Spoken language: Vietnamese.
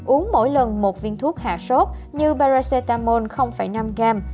uống mỗi lần một viên thuốc hạ sốt như paracetamol năm gram